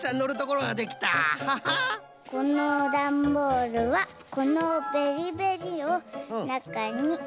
このダンボールはこのベリベリをなかにグッと。